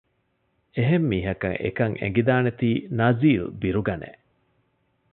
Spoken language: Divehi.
އެހެންމީހަކަށް އެކަން އެނގިދާނެތީ ނަޒީލް ބިރުގަނެ